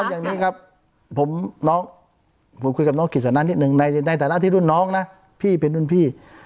อย่างนี้ครับผมน้องผมคุยกับน้องกฤษณะนิดนึงในฐานะที่รุ่นน้องนะพี่เป็นรุ่นพี่